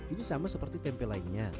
ini sama seperti tempe lainnya